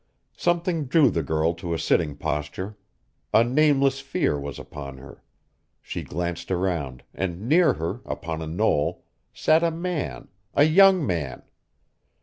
Something drew the girl to a sitting posture; a nameless fear was upon her. She glanced around, and near her, upon a knoll, sat a man, a young man!